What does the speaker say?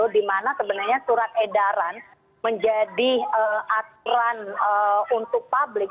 dimana sebenarnya surat edaran menjadi aturan untuk publik